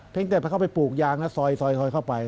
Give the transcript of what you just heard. เพียงแต่เข้าไปปลูกยางแล้วซอยเข้าไป